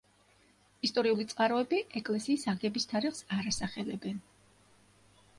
ისტორიული წყაროები ეკლესიის აგების თარიღს არ ასახელებენ.